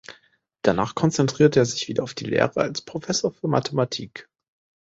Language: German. Danach konzentrierte er sich wieder auf die Lehre als Professor für Mathematik.